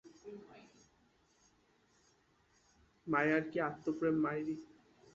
মাইয়ার কী আত্মপ্রেম মাইরি।